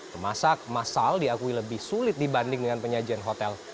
memasak masal diakui lebih sulit dibanding dengan penyajian hotel